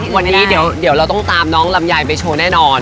วันนี้เดี๋ยวเราต้องตามน้องลำไยไปโชว์แน่นอน